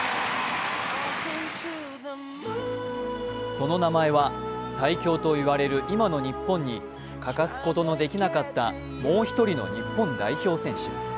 その名前は、最強と言われる今の日本に欠かすことのできなかった、もう一人の日本代表選手。